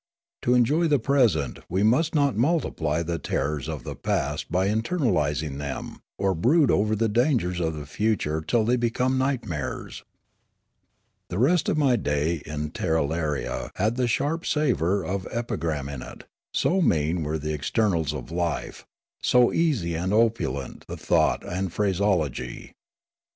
To enjoy the present we must not multiply the terrors of the past by eternalising them, or brood over the dangers of the future till they become nightmares. The rest of my day in Tirralaria had the sharp savour of epigram in it; so mean were the externals of life, so easy and opulent the thought and phraseology.